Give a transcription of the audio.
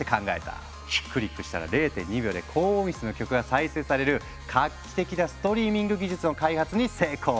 クリックしたら０．２秒で高音質の曲が再生される画期的なストリーミング技術の開発に成功！